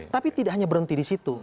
tapi tidak hanya berhenti di situ